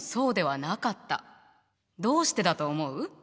どうしてだと思う？